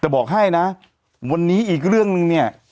แต่บอกให้นะวันนี้อีกเรื่องนึงเนี่ย